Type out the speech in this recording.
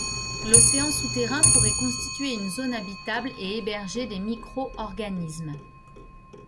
L'océan souterrain pourrait constituer une zone habitable et héberger des micro-organismes.